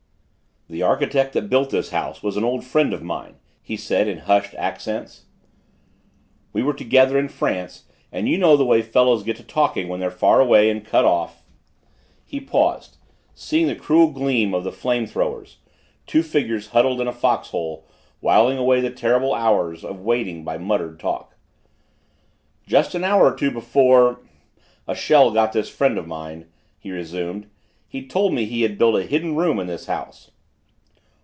"The architect that built this house was an old friend of mine," he said in hushed accents. "We were together in France and you know the way fellows get to talking when they're far away and cut off " He paused, seeing the cruel gleam of the flame throwers two figures huddled in a foxhole, whiling away the terrible hours of waiting by muttered talk. "Just an hour or two before a shell got this friend of mine," he resumed, "he told me he had built a hidden room in this house."